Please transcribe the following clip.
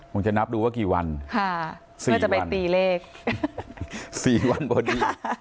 คงจะนับดูว่ากี่วัน๔วัน๔วันบทดี